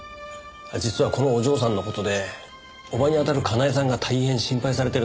実はこのお嬢さんの事で叔母にあたるかなえさんが大変心配されてるんです。